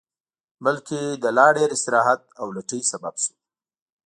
بلکې د لا ډېر استراحت او لټۍ سبب شو